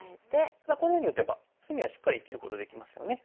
ただこんなふうに打てば隅はしっかり生きることできますよね。